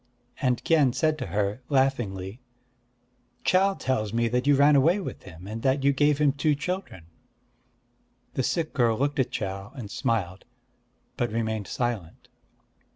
And Kien said to her, laughingly: "Chau tells me that you ran away with him, and that you gave him two children." The sick girl looked at Chau, and smiled; but remained silent.